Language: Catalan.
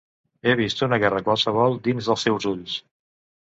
He vist una guerra qualsevol dins dels teus ulls.